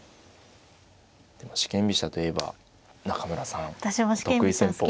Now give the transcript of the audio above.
四間飛車といえば中村さん得意戦法。